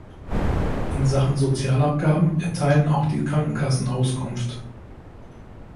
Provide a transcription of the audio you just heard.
In Sachen Sozialabgaben erteilen auch die Krankenkassen Auskunft.